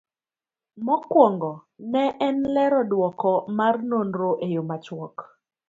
Mokwongo, ne en lero duoko mar nonro e yo machuok